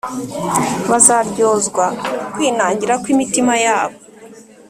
Bazaryozwa kwinangira kw’imitima yabo